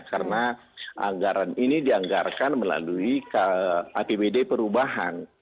karena anggaran ini dianggarkan melalui apbd perubahan